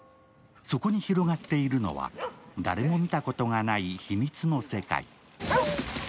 そこに広がっているのは、誰も見たことがない秘密の世界。